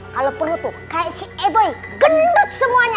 kalau perlu tuh kayak si eboy gendut semuanya